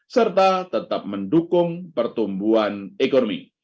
serta tetap mendukung pertumbuhan ekonomi